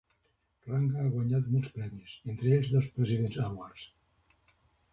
Ranga ha guanyat molts premis, entre ells dos President's Awards.